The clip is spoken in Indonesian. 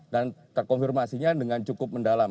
dan terkonfirmasinya dengan cukup mendalam